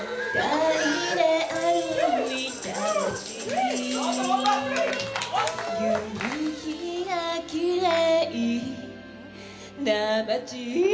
はい。